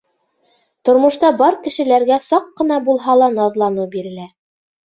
Тормошта бар кешеләргә саҡ ҡына булһа ла наҙланыу бирелә.